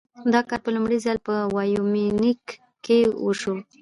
دا کار په لومړي ځل په وایومینګ کې وشو.